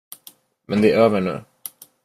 Men det är över nu.